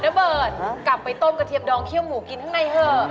แล้วเบิร์ตกลับไปต้มกระเทียมดองเคี่ยวหมูกินตั้งในก่อน